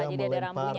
jadi ada rambunya ya